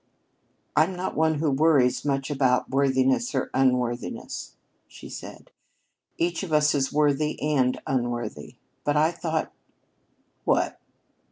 "I'm not one who worries much about worthiness or unworthiness," she said. "Each of us is worthy and unworthy. But I thought " "What?"